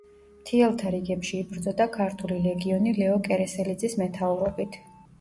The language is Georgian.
მთიელთა რიგებში იბრძოდა ქართული ლეგიონი ლეო კერესელიძის მეთაურობით.